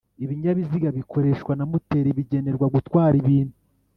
ibinyabiziga bikoreshwa na moteri bigenewe gutwara ibintu